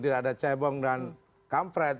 tidak ada cebong dan kampret